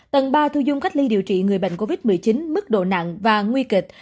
tầng ba thu dung cách ly điều trị người bệnh covid một mươi chín mức độ nặng và nguy kịch